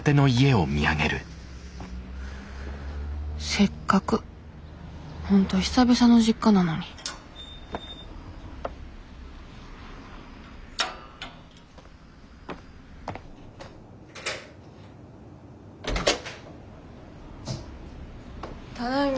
せっかく本当久々の実家なのにただいま。